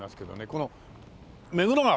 この目黒川。